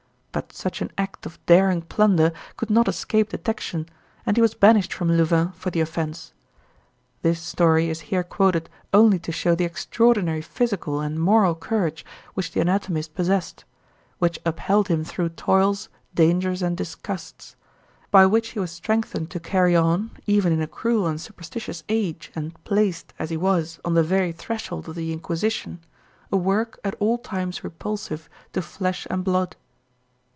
But such an act of daring plunder could not escape detection, and he was banished from Louvain for the offence. This story is here quoted only to show the extraordinary physical and moral courage which the anatomist possessed; which upheld him through toils, dangers, and disgusts; and by which he was strengthened to carry on, even in a cruel and superstitious age, and placed, as he was, on the very threshold of the Inquisition, a work at all times repulsive to flesh and blood.